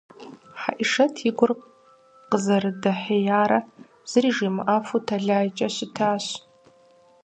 Хьэӏишэт и гур къызэрыдэхьеярэ зыри жимыӀэжыфу тэлайкӀэ щытащ.